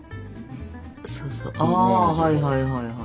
あはいはいはい。